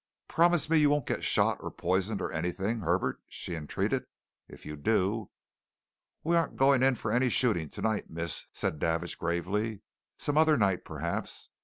"Promise me you won't get shot, or poisoned, or anything, Herbert!" she entreated. "If you do " "We aren't going in for any shooting tonight, miss," said Davidge gravely. "Some other night, perhaps.